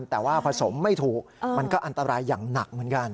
แต่ว่าผสมไม่ถูกมันก็อันตรายอย่างหนักเหมือนกัน